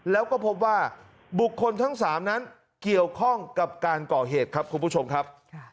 แล้วก็พบว่าบุคคลทั้ง๓นั้นเกี่ยวข้องกับการก่อเหตุครับคุณผู้ชมครับ